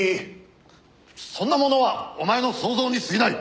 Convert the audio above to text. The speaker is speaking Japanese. そんなものはお前の想像に過ぎない。